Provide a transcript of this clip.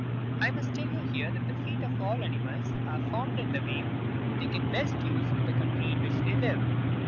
I must tell you here that the feet of all animals are formed in the way they can best use, in the country in which they live.